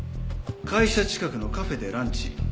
「会社近くのカフェでランチ」